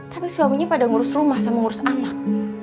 tapi suaminya pada ngurus rumah sama ngurus anak